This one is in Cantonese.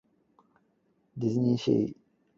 錢財身外物